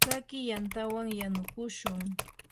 tsakiy yantawan yanukushun.